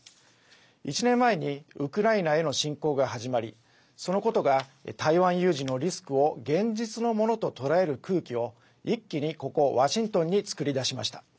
１年前にウクライナへの侵攻が始まりそのことが台湾有事のリスクを現実のものと捉える空気を一気に、ここワシントンに作り出しました。